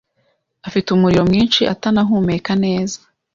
afite umuriro mwinshi atanahumeka neza,